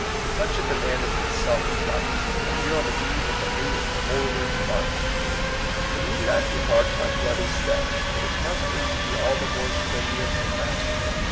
Such a demand is itself a proph ecy that we are on the eve of a new and forward march. It need not be marked by bloody steps, but it must needs be all the more strenuous and masterful.